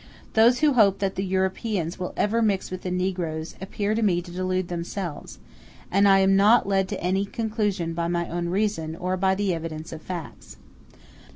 Those who hope that the Europeans will ever mix with the negroes, appear to me to delude themselves; and I am not led to any such conclusion by my own reason, or by the evidence of facts.